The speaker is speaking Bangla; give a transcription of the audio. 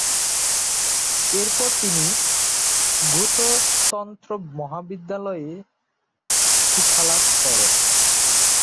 এরপর তিনি গ্যুতো তন্ত্র মহাবিদ্যালয়ে শিক্ষালাভ করেন।